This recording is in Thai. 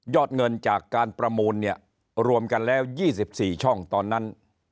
เงินจากการประมูลเนี่ยรวมกันแล้ว๒๔ช่องตอนนั้น